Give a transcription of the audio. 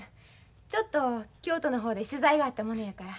ちょっと京都の方で取材があったものやから。